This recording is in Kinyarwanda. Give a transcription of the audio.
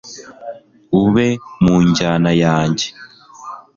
ube mu njyana yanjye